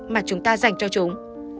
mà chúng ta dành cho chúng